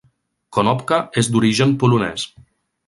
Konopka és d'origen polonès.